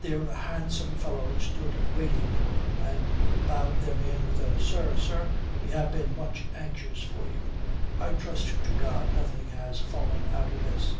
There a handsome fellow stood waiting for them, and bowed them in with a "Sir, sir, we have been much anxious for you. I trust to God nothing has fallen out amiss?"